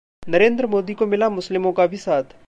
नरेंद्र मोदी को मिला मुसलिमों का भी साथ!